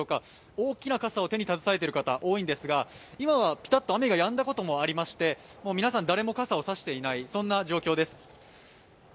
大きな傘を手に携えている方、多いんですが、今はピタッと雨がやんだこともありまして皆さん誰も傘を差していない状況です。